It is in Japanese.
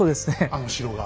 あの城が。